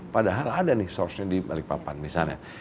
padahal ada nih di balikpapan misalnya